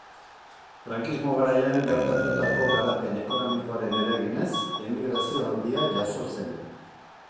Frankismo garaian gertatutako garapen ekonomikoaren eraginez, emigrazio handia jazo zen.